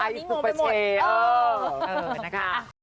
อัยสุปชัยเออนะคะเอาละครับ